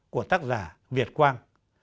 của tác giả việt quang